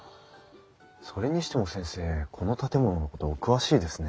それにしても先生この建物のことお詳しいですね？